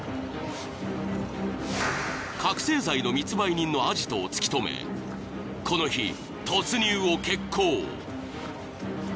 ［覚醒剤の密売人のアジトを突き止めこの日突入を決行］